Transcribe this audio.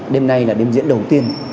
đêm nay là đêm diễn đầu tiên